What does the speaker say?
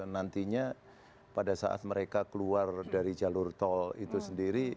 nantinya pada saat mereka keluar dari jalur tol itu sendiri